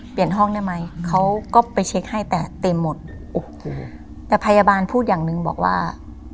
เปลี่ยนห้องได้ไหมเขาก็ไปเช็คให้แต่เต็มหมดโอ้โหแต่พยาบาลพูดอย่างหนึ่งบอกว่า